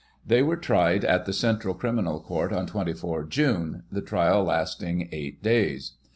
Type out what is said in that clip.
They were tried at the Central Criminal Court on 24 June, the trial lasting eight days.